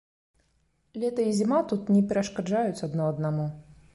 Лета і зіма тут не перашкаджаюць адно аднаму.